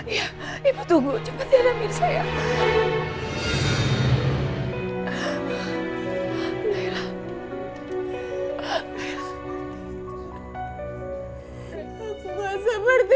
iya ibu tunggu cepet ya nailah mirza ya